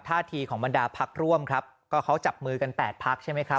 ทีของบรรดาพักร่วมครับก็เขาจับมือกัน๘พักใช่ไหมครับ